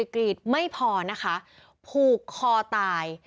กรีดไม่พอนะคะผูกคอตาย